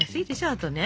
あとね。